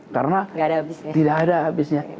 karena tidak ada abisnya